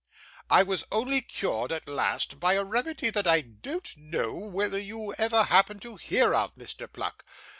I was only cured at last by a remedy that I don't know whether you ever happened to hear of, Mr. Pluck.